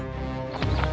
sampai jumpa lagi